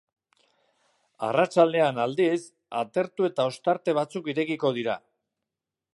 Arratsaldean, aldiz, atertu eta ostarte batzuk irekiko dira.